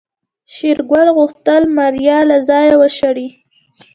شېرګل غوښتل ماريا له ځايه وشړي.